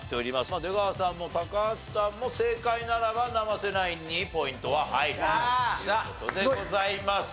出川さんも高橋さんも正解ならば生瀬ナインにポイントが入るという事でございます。